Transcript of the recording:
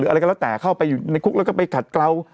อะไรก็แล้วแต่เข้าไปอยู่ในคุกแล้วก็ไปขัดเกลา